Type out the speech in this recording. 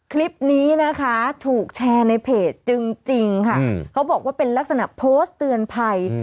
คลิปนี้นะคะถูกแชร์ในเพจจึงจริงค่ะเขาบอกว่าเป็นลักษณะโพสต์เตือนภัย